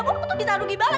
aku tuh bisa rugi banget